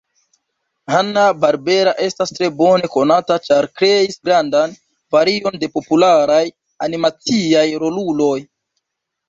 Hanna-Barbera estas tre bone konata ĉar kreis grandan varion de popularaj animaciaj roluloj.